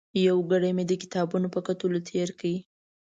یو ګړی مې د کتابونو په کتلو تېر کړ.